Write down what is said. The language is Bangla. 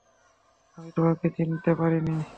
আমি তোমাকে চিনতে পারিনি।